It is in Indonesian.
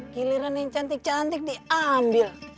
giliran yang cantik cantik diambil